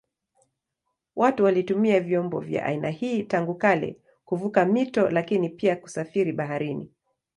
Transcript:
Watu walitumia vyombo vya aina hii tangu kale kuvuka mito lakini pia kusafiri baharini.